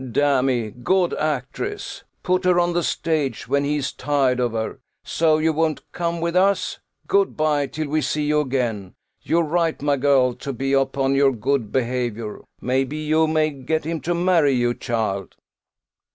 "Damme! good actress! Put her on the stage when he is tired of her. So you won't come with us? Good bye, till we see you again. You're right, my girl, to be upon your good behaviour; may be you may get him to marry you, child!"